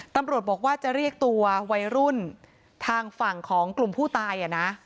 ตำรวจบอกว่าจะเรียกตัววัยรุ่นทางฝั่งของกลุ่มผู้ตายอ่ะนะ